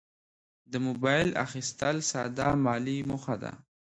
د موبایل اخیستل ساده مالي موخه ده.